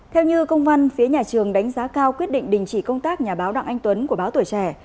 theo như công văn phía nhà trường đánh giá cao quyết định đình chỉ công tác nhà báo đặng anh tuấn của báo tuổi trẻ